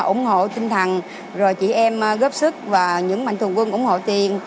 ủng hộ tinh thần rồi chị em góp sức và những mạnh thường quân ủng hộ tiền